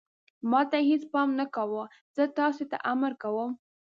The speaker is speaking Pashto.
ما ته یې هېڅ پام نه کاوه، زه تاسې ته امر کوم.